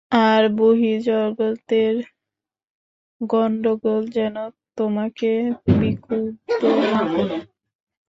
আর বহির্জগতের গণ্ডগোল যেন তোমাকে বিক্ষুব্ধ না করে।